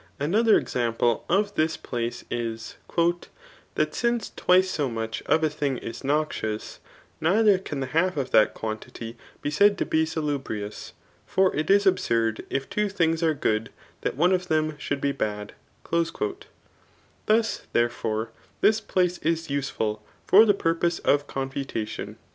3 Another example of this place is, ^* That since tvrice so much of a thing is noxious, neither can the half of that quantity be said to be salubrious ; for it is absurd, if two things are good, that one of thdm should be bad/* Thus, therefore, thia place IS useful for the purpose of confiitation.